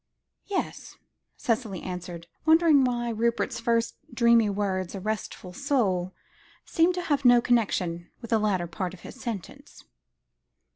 "Yes," Cicely answered, wondering why Rupert's first dreamy words "a restful soul," seemed to have no connection with the latter part of his sentence.